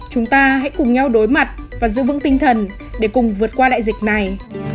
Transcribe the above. chúng ta hãy cùng nhau đối mặt và giữ vững tinh thần để cùng vượt qua đại dịch này